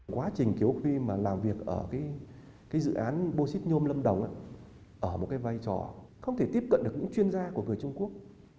quá trình kiều quốc huy làm việc ở dự án bầu xít nhôm lâm đồng ở một vai trò không thể tiếp cận được những chuyên gia của người trung quốc